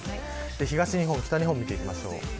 東日本、北日本見ていきましょう。